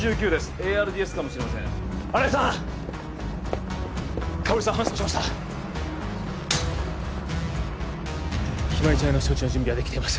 ＡＲＤＳかもしれません新井さん香織さん搬送しました日葵ちゃんへの処置の準備はできています